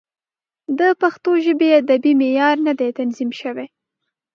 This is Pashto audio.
د پښتو ژبې ادبي معیار نه دی تنظیم شوی.